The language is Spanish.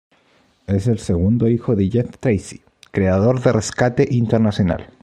Es el segundo hijo de "Jeff Tracy" creador de "Rescate Internacional".